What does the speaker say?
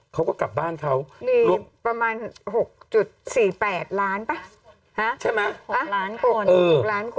เนี่ยประมาณ๖๔๘ล้านป่ะใช่มั้ย๖๘ล้านคนเหมือนกัน